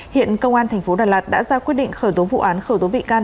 hiện công an thành phố đà lạt đã ra quyết định khởi tố vụ án khởi tố bị can